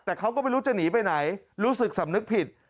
แต่เขาก็ไม่รู้จะหนีไปไหนรู้สึกสำนึกผิด